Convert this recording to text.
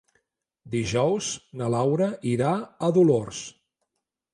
Dijous na Laura irà a Dolors.